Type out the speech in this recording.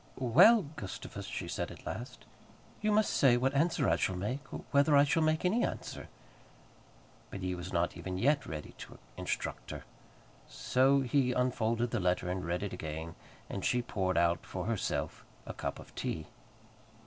"Well, Gustavus," she said at last. "You must say what answer I shall make, or whether I shall make any answer." But he was not even yet ready to instruct her. So he unfolded the letter and read it again, and she poured out for herself a cup of tea.